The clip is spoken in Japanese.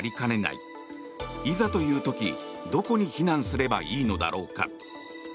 いざという時、どこに避難すればいいのだろうか。